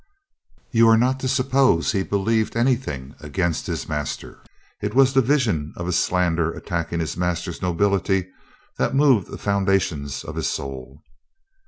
You are not to suppose he believed anything against his master. It was the vision of a slander attacking his master's nobility that moved the foun dations of his soul.